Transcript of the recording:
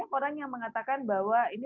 orang yang mengatakan bahwa ini